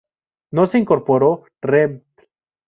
No se incorporó, reempl.